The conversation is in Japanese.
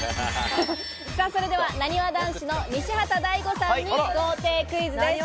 それでは、なにわ男子の西畑大吾さんに豪邸クイズです。